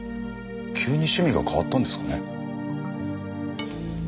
急に趣味が変わったんですかね？